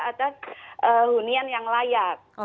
atas hunian yang layak